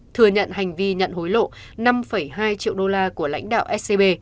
thừa nhận hành vi nhận hối lộ năm hai triệu đô la của lãnh đạo scb